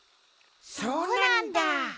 そうなんだ！